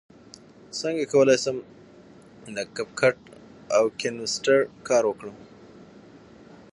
څنګه کولی شم د کپ کټ او کینوسټر کار وکړم